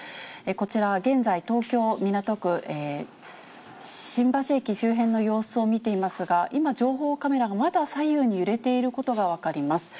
こちら、現在、東京・港区新橋駅周辺の様子を見ていますが、今、情報カメラがまだ左右に揺れていることが分かります。